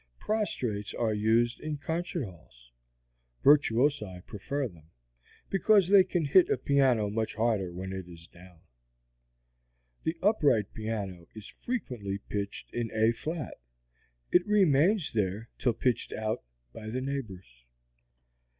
Prostrates are used in concert halls virtuosi prefer them, because they can hit a piano much harder when it is down. The upright piano is frequently pitched in A flat. It remains there till pitched out by the neighbors.